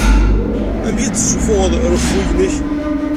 Amek i d-ssufuɣeḍ reffu-inek?